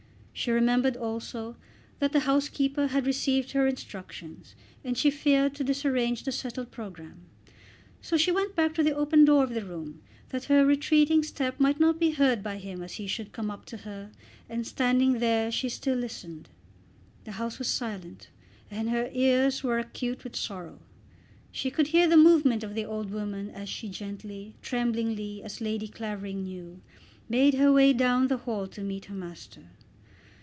She remembered also that the housekeeper had received her instructions, and she feared to disarrange the settled programme. So she went back to the open door of the room, that her retreating step might not be heard by him as he should come up to her, and standing there she still listened. The house was silent and her ears were acute with sorrow. She could hear the movement of the old woman as she gently, tremblingly, as Lady Clavering knew, made her way down the hall to meet her master.